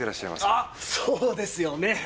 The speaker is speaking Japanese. あっそうですよね。